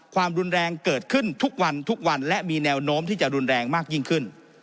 ความรุนแรงเกิดขึ้นทุกวันทุกวันและมีแนวโน้มที่จะรุนแรงมากยิ่งขึ้น